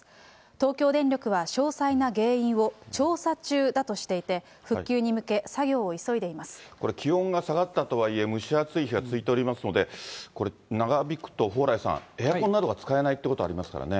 東京電力は詳細な原因を調査中だとしていて、これ、気温が下がったとはいえ、蒸し暑い日が続いておりますので、これ、長引くと蓬莱さん、エアコンなどが使えないということがありますからね。